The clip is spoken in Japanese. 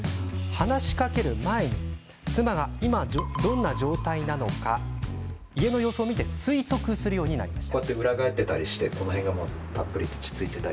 話しかける前に妻が今どんな状態なのか家の様子を見て推測するようになりました。